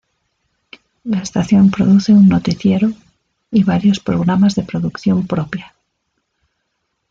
La estación produce un noticiero y varios programas de producción propia.